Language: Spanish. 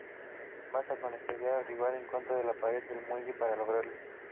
Basta con estrellar al rival en contra de la pared del muelle para lograrlo.